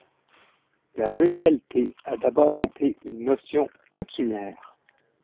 La neutralité a d'abord été une notion coutumière.